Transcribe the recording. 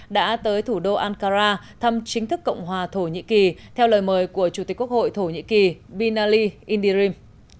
đã tới thủ đô ankara thăm chính thức cộng hòa thổ nhĩ kỳ theo lời mời của chủ tịch quốc hội thổ nhĩ kỳ binali indirim